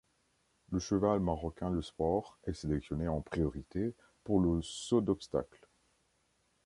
Le cheval marocain de sport est sélectionné en priorité pour le saut d'obstacles.